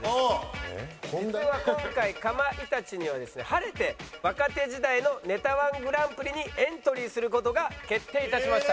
実は今回かまいたちにはですね晴れて若手時代のネタ−１ＧＰにエントリーする事が決定いたしました。